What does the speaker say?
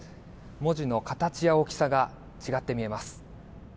文字の形や大きさが違って見えます。